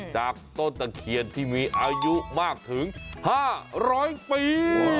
จากต้นตะเคียนที่มีอายุมากถึง๕๐๐ปี